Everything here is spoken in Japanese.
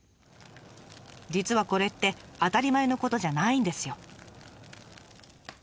実はこれって当たり前のことじゃないんですよ。